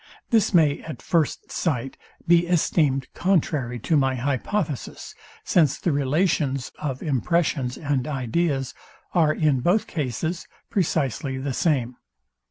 This may at first sight be esteemed contrary to my hypothesis; since the relations of impressions and ideas are in both cases precisely the same.